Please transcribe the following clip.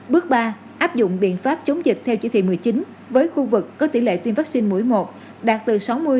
bước ba áp dụng biện pháp chống dịch theo chỉ thị một mươi chín với khu vực có tỷ lệ tiêm vaccine mũi một đạt từ sáu mươi